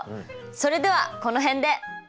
それではこの辺で！